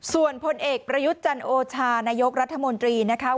ส่วนพลเอกประยุทธ์จันโอชานายกรัฐมนตรีนะคะ